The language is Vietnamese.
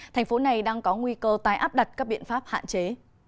thành phố này đang có nguy cơ tái áp đặt các biện pháp hạn chế